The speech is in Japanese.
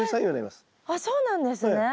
あっそうなんですね。